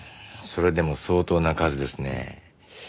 それでも相当な数ですねえ。